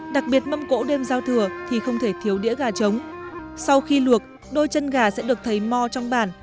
đặc biệt mâm cỗ đêm giao thừa thì không thể thiếu đĩa gà trống sau khi luộc đôi chân gà sẽ được thấy mò trong bản